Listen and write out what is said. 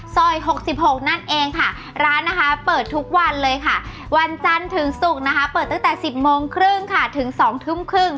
๖๖นั่นเองค่ะร้านนะคะเปิดทุกวันเลยค่ะวันจันทร์ถึงศุกร์นะคะเปิดตั้งแต่๑๐โมงครึ่งค่ะถึง๒ทุ่มครึ่ง